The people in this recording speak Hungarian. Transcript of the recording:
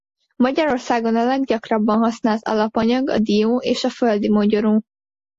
Magyarországon a leggyakrabban használt alapanyag a dió és a földimogyoró.